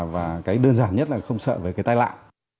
và cái đơn giản nhất là không sợ về cái tai lạc